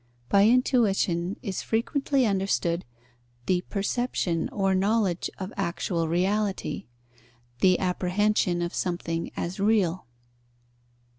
By intuition is frequently understood the perception or knowledge of actual reality, the apprehension of something as real.